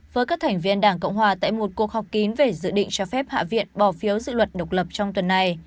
với các thành viên đảng cộng hòa tại một cuộc họp kín về dự định cho phép hạ viện bỏ phiếu dự luật độc lập trong tuần này